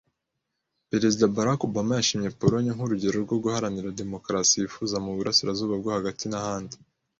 Perezida Barack Obama yashimye Polonye nk'urugero rwo guharanira demokarasi yifuza mu burasirazuba bwo hagati n'ahandi.